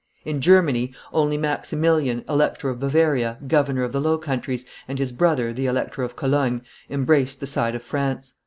In Germany, only Maximilian, Elector of Bavaria, governor of the Low Countries, and his brother, the Elector of Cologne, embraced the side of France.